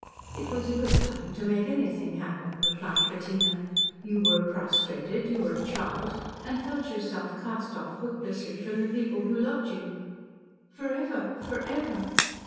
"It was a good time to make anything happen," replied Bettina. "You were prostrated, you were a child, and felt yourself cast off hopelessly from the people who loved you." "Forever! Forever!"